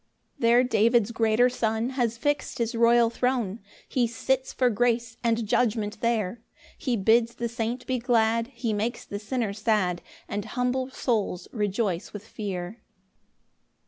3 There David's greater Son Has fix'd his royal throne, He sits for grace and judgment there; He bids the saint be glad, He makes the sinner sad, And humble souls rejoice with fear.